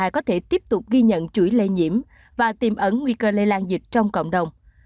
có thể tiếp tục ghi nhận chuỗi lây nhiễm và tiềm ấn nguy cơ lây lan dịch trong cộng đồng